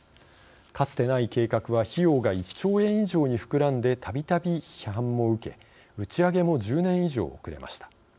かつてない計画は費用が１兆円以上に膨らんでたびたび批判も受け打ち上げも１０年以上遅れました。